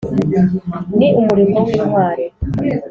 Ni umurimbo w'intwari,